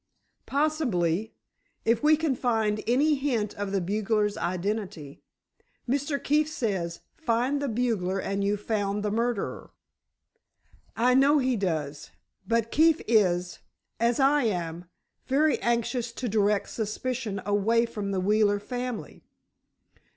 "Possibly; if we can find any hint of the bugler's identity. Mr. Keefe says, find the bugler and you've found the murderer." "I know he does, but Keefe is—as I am—very anxious to direct suspicion away from the Wheeler family.